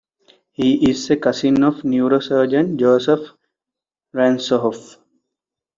He is a cousin of neurosurgeon Joseph Ransohoff.